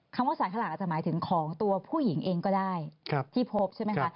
คำว่าสารสลากอาจจะหมายถึงของตัวผู้หญิงเองก็ได้ที่พบใช่ไหมคะ